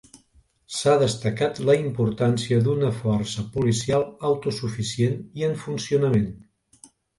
S'ha destacat la importància d'una força policial autosuficient i en funcionament.